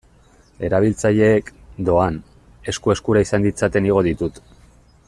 Erabiltzaileek, doan, esku-eskura izan ditzaten igo ditut.